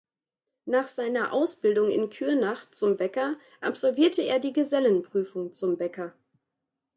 Nach seiner Ausbildung in Kürnach zum Bäcker absolvierte er die Gesellenprüfung zum Bäcker.